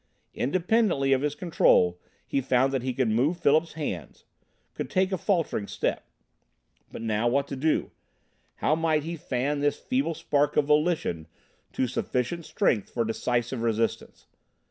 Independently of his Control, he found that he could move Philip's hand, could take a faltering step. But now, what to do? How might he fan this feeble spark of volition to sufficient strength for decisive resistance?